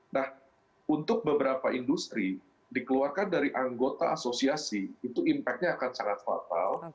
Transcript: nah untuk beberapa industri dikeluarkan dari anggota asosiasi itu impactnya akan sangat fatal